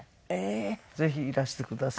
ぜひいらしてください。